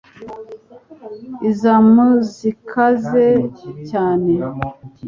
iza mu zikaze cyane.